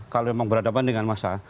kalau memang berhadapan dengan massa